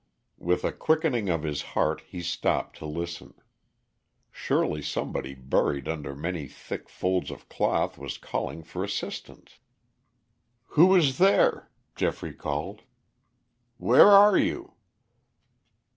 With a quickening of his heart he stopped to listen. Surely somebody buried under many thick folds of cloth was calling for assistance. "Who is there?" Geoffrey called. "Where are you?"